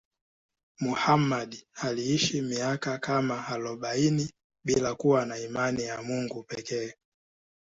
Muhammad aliishi miaka kama arobaini bila kuwa na imani ya Mungu pekee.